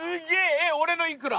えっ俺のいくら？